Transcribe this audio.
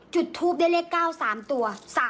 จุดทูปได้เลข๙สามตัว